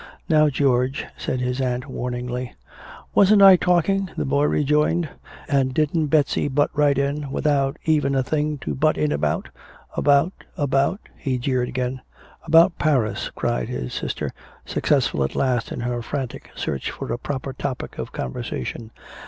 "Now, George," said his aunt warningly. "Wasn't I talking?" the boy rejoined. "And didn't Betsy butt right in without even a thing to butt in about? About about," he jeered again. "About Paris!" cried his sister, successful at last in her frantic search for a proper topic of conversation.